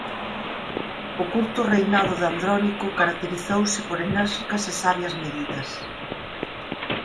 O curto reinado de Andrónico caracterizouse por enérxicas e sabias medidas.